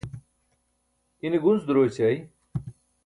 ine gunc duro ećai